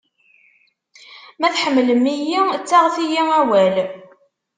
Ma tḥemmlem-iyi, ttaɣet-iyi awal.